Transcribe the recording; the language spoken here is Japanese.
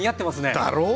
だろう！